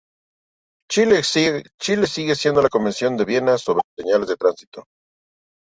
Chile sigue la Convención de Viena sobre señales de tránsito.